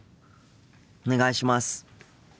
お願いします。